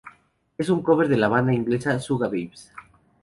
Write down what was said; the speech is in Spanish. Es un cover de la banda inglesa Sugababes.